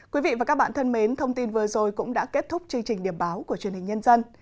quý vị và các bạn thân mến thông tin vừa rồi cũng đã kết thúc chương trình điểm báo của truyền hình nhân dân